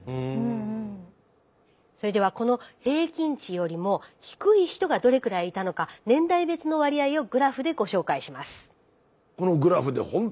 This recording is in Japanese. それではこの平均値よりも低い人がどれくらいいたのか年代別の割合をグラフでご紹介します。